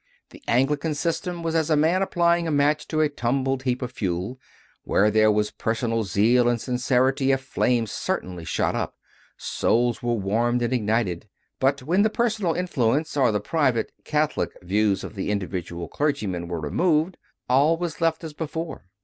The Anglican system was as a man applying a match to a tumbled heap of fuel : where there was personal zeal and sincerity, a flame certainly shot up, souls were warmed and lighted; but when the personal influence or the private "Catholic" views of the individual clergymen were removed, all was left as before.